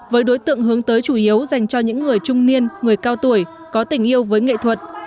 với đối tượng hướng tới chủ yếu dành cho những người trung niên người cao tuổi có tình yêu với nghệ thuật